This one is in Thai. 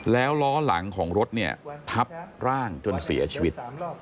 แล้วล้อหลังของรถเนี่ยทับร่างจนเสียชีวิต